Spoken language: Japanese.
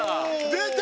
出た！